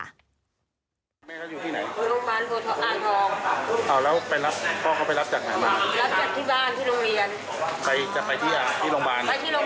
คือจริงค่ะเด็กอยู่กับคุณยายที่อ่างทอง